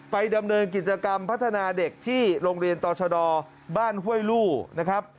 ดำเนินกิจกรรมพัฒนาเด็กที่โรงเรียนต่อชะดอบ้านห้วยลู่นะครับ